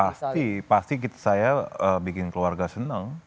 pasti pasti saya bikin keluarga senang